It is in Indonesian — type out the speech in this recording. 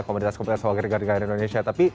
komunitas komunitas seolah olah kira kira di indonesia